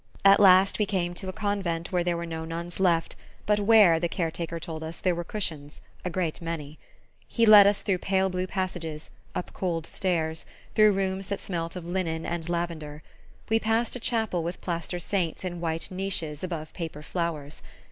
At last we came to a convent where there were no nuns left, but where, the caretaker told us, there were cushions a great many. He led us through pale blue passages, up cold stairs, through rooms that smelt of linen and lavender. We passed a chapel with plaster saints in white niches above paper flowers.